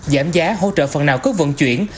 giảm giá hỗ trợ phần nào cước vận chuyển